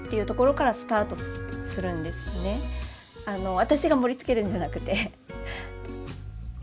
私が盛りつけるんじゃなくて。